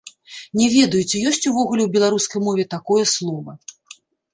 Не ведаю, ці ёсць увогуле ў беларускай мове такое слова.